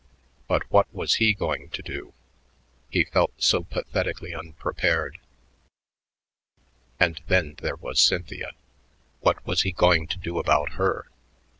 But what was he going to do? He felt so pathetically unprepared. And then there was Cynthia.... What was he going to do about her?